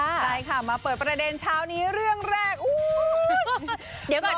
ใช่ค่ะมาเปิดประเด็นเช้านี้เรื่องแรก